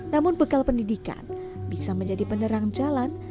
namun bekal pendidikan bisa menjadi penerang jalan